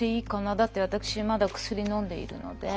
だって私まだ薬のんでいるので。